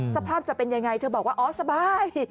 สภาพจะเป็นยังไงเธอบอกว่าอ๋อสบาย